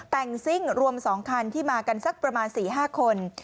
แต่งซิ่งรวม๒คันที่มากันสักประมาณ๔๕คน